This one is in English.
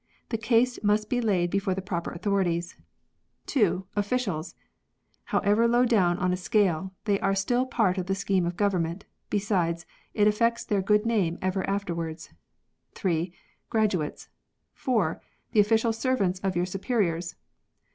The case must be laid before the proper authorities.] (2.) Officials. [However low down in a scale, they are still part of the scheme of government ; besides, it affects their good name ever afterwards.] (3.) Graduates. (4.) The official servants of your superiors.